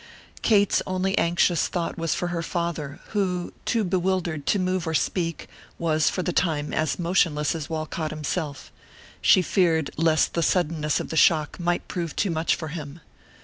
Kate's only anxious thought was for her father, who, too bewildered to move or speak, was for the time as motionless as Walcott himself; she feared lest the suddenness of the shock might prove too much for him.